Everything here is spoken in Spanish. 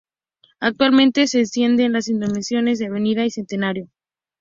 Actualmente se extiende en las inmediaciones de Avenida V Centenario.